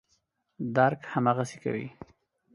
درک هماغسې کوي.